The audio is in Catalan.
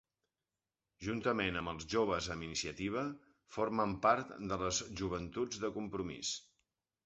Juntament amb els Joves amb Iniciativa, formen part de les joventuts de Compromís.